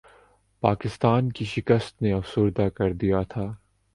پاکستان کی شکست نے افسردہ کردیا تھا